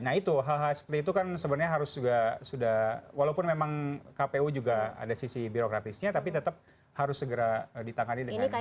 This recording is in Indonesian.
nah itu hal hal seperti itu kan sebenarnya harus juga sudah walaupun memang kpu juga ada sisi birokratisnya tapi tetap harus segera ditangani dengan baik